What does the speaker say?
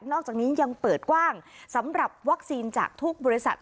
อกจากนี้ยังเปิดกว้างสำหรับวัคซีนจากทุกบริษัท